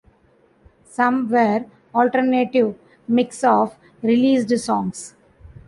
Some were alternate mixes of released songs.